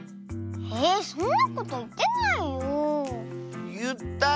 えそんなこといってないよ。